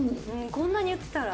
こんなに言ってたら。